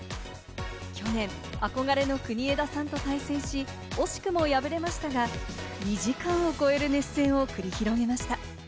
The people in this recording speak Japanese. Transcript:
去年、憧れの国枝さんと対戦し、惜しくも敗れましたが、２時間を超える熱戦を繰り広げました。